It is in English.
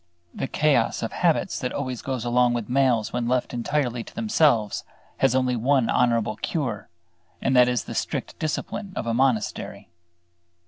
The chaos of habits that always goes with males when left entirely to themselves has only one honorable cure; and that is the strict discipline of a monastery.